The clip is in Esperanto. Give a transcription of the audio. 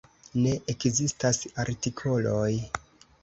Ne ekzistas artikoloj.